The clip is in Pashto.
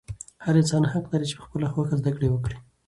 هر انسان حق لري چې په خپله خوښه زده کړه وکړي.